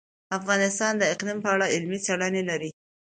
افغانستان د اقلیم په اړه علمي څېړنې لري.